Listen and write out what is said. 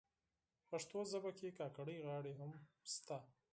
پښتو ژبه کي کاکړۍ غاړي هم سته.